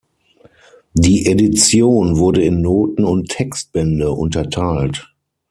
Die Edition wurde in Noten- und Textbände unterteilt.